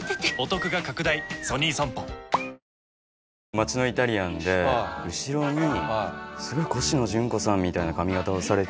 街のイタリアンで後ろにコシノジュンコさんみたいな髪形をされた。